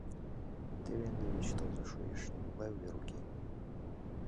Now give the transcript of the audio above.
Теве ынде вич тылзе шуэш, нимогай увер уке.